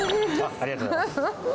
ありがとうございます。